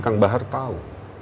kang bahar tahu